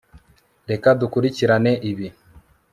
Reka dukurikirane ibi